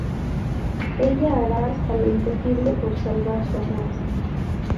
Ella hará hasta lo imposible por salvar su amor.